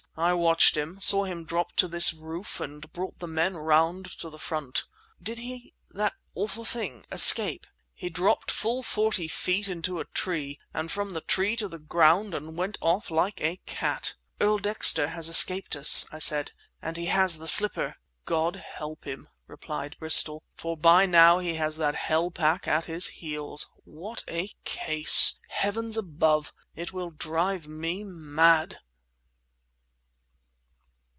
I watched him, saw him drop to this roof—and brought the men around to the front." "Did he, that awful thing, escape?" "He dropped full forty feet into a tree—from the tree to the ground, and went off like a cat!" "Earl Dexter has escaped us," I said, "and he has the slipper!" "God help him!" replied Bristol. "For by now he has that hell pack at his heels! What a case! Heavens above, it will drive me mad!"